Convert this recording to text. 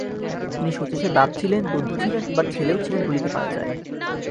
তিনি শচীশের বাপ ছিলেন, বন্ধু ছিলেন, আবার ছেলেও ছিলেন বলিতে পারা যায়।